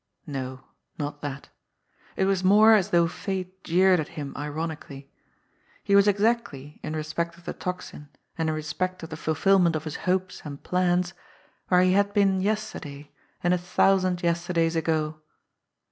No, not that ! It was more as though fate jeered at him ironically. He was exactly, in respect of the Tocsin and in respect of the fulfilment of his hopes and plans, where he had been yesterday and a thousand yester days ago.